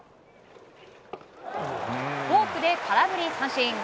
フォークで空振り三振！